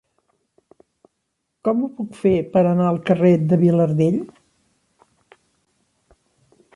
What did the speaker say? Com ho puc fer per anar al carrer de Vilardell?